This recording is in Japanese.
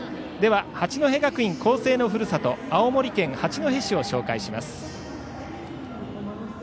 八戸学院光星のふるさと青森県八戸市を紹介します。